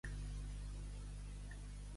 A la salpa.